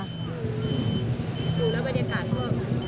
ดูแล้วบรรยากาศก็